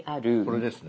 これですね。